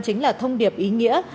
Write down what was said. chính là thông điệp ý nghĩa